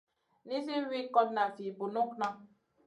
Nizi wi kotna vi bunukŋa.